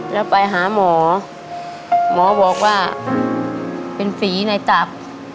แล้วไปหาหมอหมอบอกว่าเป็นฝีในตับ